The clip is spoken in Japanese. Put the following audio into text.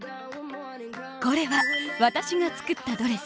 これは私が作ったドレス。